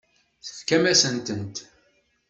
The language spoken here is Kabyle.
Tefkam-asent-tent.